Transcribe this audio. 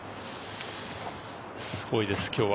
すごいです、今日は。